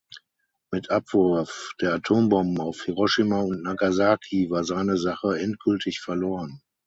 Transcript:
Mit Abwurf der Atombomben auf Hiroshima und Nagasaki war seine Sache endgültig verloren.